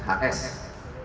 enam belas peluru di magasinnya